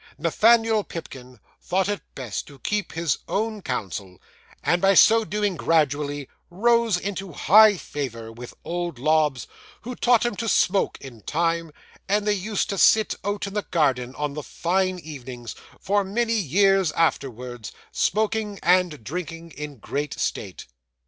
'Nathaniel Pipkin thought it best to keep his own counsel, and by so doing gradually rose into high favour with old Lobbs, who taught him to smoke in time; and they used to sit out in the garden on the fine evenings, for many years afterwards, smoking and drinking in great state.